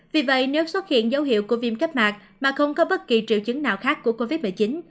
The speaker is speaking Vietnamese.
vì vậy nếu xuất hiện dấu hiệu của viêm kết mạc mà không có bất kỳ triệu chứng nào khác của covid một mươi chín